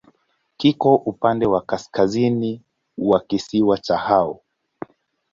Kiko upande wa kaskazini wa kisiwa cha Hao.